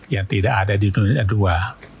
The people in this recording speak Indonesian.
yang tidak ada di dunia dua